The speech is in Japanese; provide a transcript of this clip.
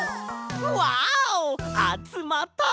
わおあつまった！